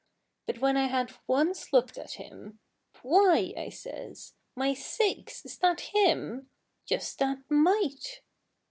But when I had once looked at him, "Why!" I says, "My sakes, is that him? Just that mite!"